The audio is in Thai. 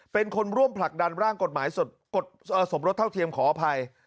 เป็นคนร่วมผลักดันร่างกฎหมายสมรสเท่าเทียมขออภัย